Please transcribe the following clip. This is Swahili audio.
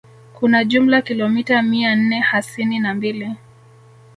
kuna jumla kilomita mia nne hasini na mbili